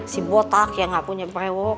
si botak yang gak punya priwork